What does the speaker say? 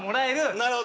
なるほど。